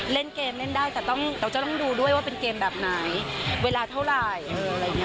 เล่นเกมเล่นได้แต่เราจะต้องดูด้วยว่าเป็นเกมแบบไหนเวลาเท่าไร